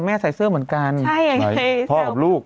พี่พีของพี่กินไปคู่กัน